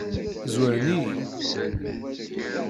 Zwaren-iyi?